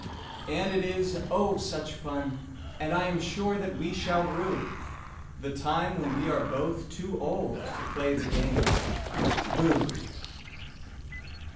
And it is, oh, such fun I am sure that we shall rue The time when we are both too old to play the game "Booh!"